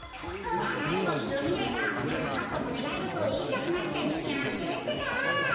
ながれぼしをみればはなかっぱもねがいごとをいいたくなっちゃうにきまってるってか。